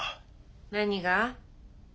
何が？